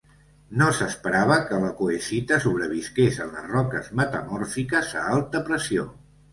No s'esperava que la coesita sobrevisqués en les roques metamòrfiques a alta pressió.